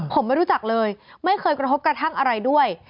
ผมไม่รู้จักเลยไม่เคยกระทบกระทั่งอะไรด้วย